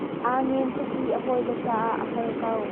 Aa ngen tuk i a hawile caah a har ko.